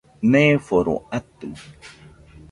Neereforo atɨ